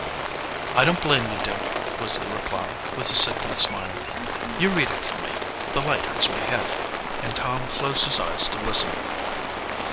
"I don't blame you, Dick," was the reply, with a sickly smile. "You read it for me. The light hurts my head," and Tom closed his eyes to listen.